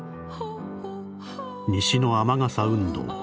「西の雨傘運動。